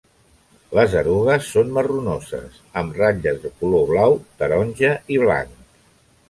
Les erugues són marronoses amb ratlles de color blau, taronja i blanc.